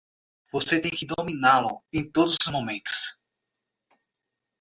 Você tem que dominá-lo em todos os momentos.